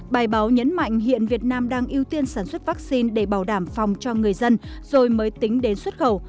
bài báo nhấn mạnh hiện việt nam đang ưu tiên sản xuất vaccine để bảo đảm phòng cho người dân rồi mới tính đến xuất khẩu